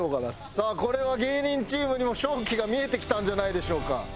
さあこれは芸人チームにも勝機が見えてきたんじゃないでしょうか。